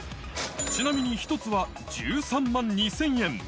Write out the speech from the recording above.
ちなみに１つは１３万２０００円。